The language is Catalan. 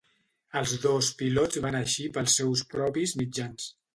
Els dos pilots van eixir pels seus propis mitjans.